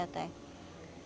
udah gitu kebakaran